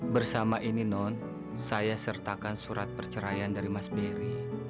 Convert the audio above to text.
bersama ini non saya sertakan surat perceraian dari mas beri